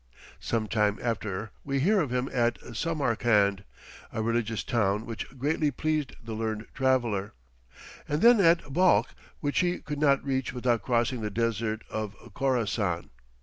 Some time after we hear of him at Samarcand, a religious town which greatly pleased the learned traveller, and then at Balkh which he could not reach without crossing the desert of Khorassan.